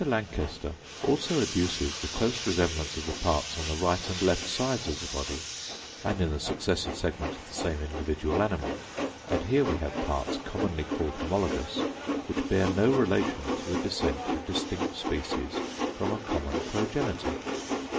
Lankester also adduces the close resemblance of the parts on the right and left sides of the body, and in the successive segments of the same individual animal; and here we have parts commonly called homologous which bear no relation to the descent of distinct species from a common progenitor.